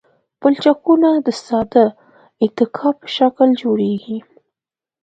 پلچکونه د ساده اتکا په شکل جوړیږي